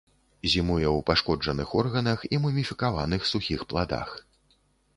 Зімуе ў пашкоджаных органах і муміфікаваных сухіх пладах.